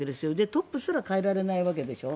トップすら代えられないわけでしょ。